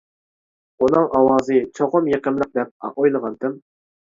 «ئۇنىڭ ئاۋازى چوقۇم يېقىملىق! » دەپ ئويلىغانتىم.